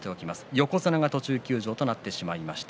横綱が途中休場となってしまいました。